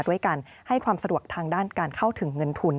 ด้วยการให้ความสะดวกทางด้านการเข้าถึงเงินทุน